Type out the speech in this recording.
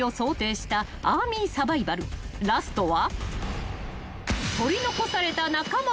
［ラストは］